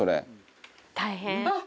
あっ！